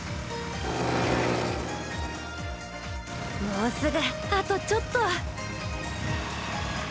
もうすぐあとちょっと。